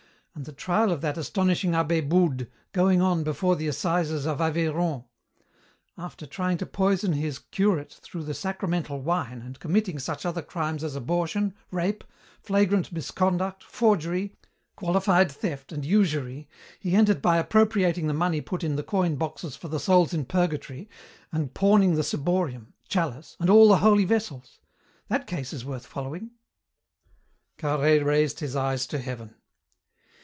And the trial of that astonishing abbé Boudes going on before the Assizes of Aveyron! After trying to poison his curate through the sacramental wine, and committing such other crimes as abortion, rape, flagrant misconduct, forgery, qualified theft and usury, he ended by appropriating the money put in the coin boxes for the souls in purgatory, and pawning the ciborium, chalice, all the holy vessels. That case is worth following." Carhaix raised his eyes to heaven.